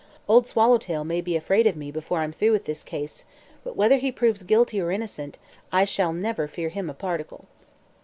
Old Swallowtail may be afraid of me, before I'm through with this case, but whether he proves guilty or innocent I shall never fear him a particle."